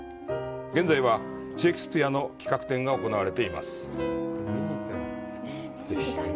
現在はシェイクスピアの企画展が行われています。